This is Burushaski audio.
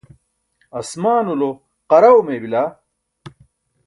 asmaanulo qaraw mey bila.